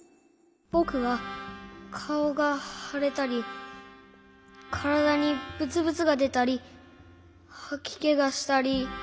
ぼくはかおがはれたりからだにブツブツがでたりはきけがしたり。